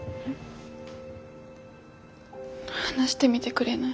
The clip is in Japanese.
話してみてくれない？